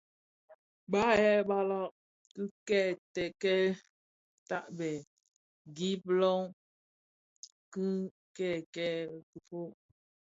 Bàng yêê balag kikèèkel tààbêê, gib lóng kikèèkel kifôg.